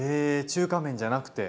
中華麺じゃなくて？